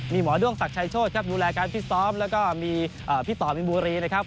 มีหมอด้วงศักดิ์ชัยโชธครับดูแลการฟิตซ้อมแล้วก็มีพี่ต่อมินบุรีนะครับ